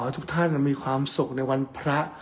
ทุกท่านมีความสุขในวันพระ